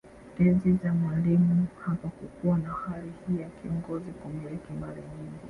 Enzi za Mwalimu hapakukuwa na hali hii ya kiongozi kumiliki mali nyingi